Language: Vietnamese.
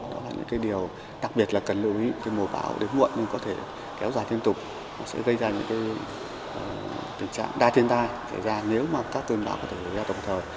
đó là những điều đặc biệt là cần lưu ý mùa bão đến muộn nhưng có thể kéo dài thêm tục sẽ gây ra những tình trạng đa thiên tai xảy ra nếu mà các cơn bão có thể xảy ra tổng thời